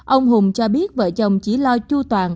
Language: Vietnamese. ông hùng cho biết vợ chồng chỉ lo chu toàn